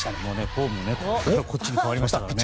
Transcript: フォームもこっちに変わりましたからね。